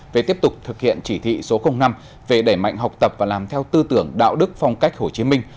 về tiếp tục thực hiện chỉ thị số năm về đẩy mạnh học tập và làm theo tư tưởng đạo đức phong cách hồ chí minh